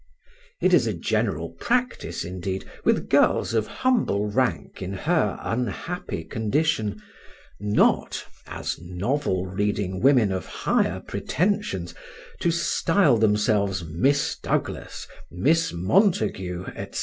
It is a general practice, indeed, with girls of humble rank in her unhappy condition, not (as novel reading women of higher pretensions) to style themselves Miss Douglas, Miss Montague, &c.